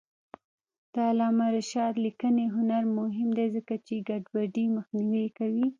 د علامه رشاد لیکنی هنر مهم دی ځکه چې ګډوډي مخنیوی کوي.